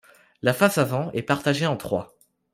La face avant est partagée en trois.